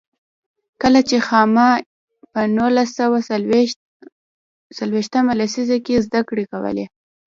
کله چې خاما په نولس سوه څلوېښت مه لسیزه کې زده کړې کولې.